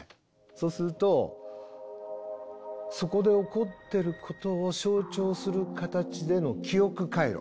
そうするとそこで起こってることを象徴する形での記憶回路。